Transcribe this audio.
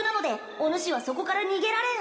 おぬしはそこから逃げられん